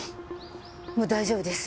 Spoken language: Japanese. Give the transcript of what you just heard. もう大丈夫です。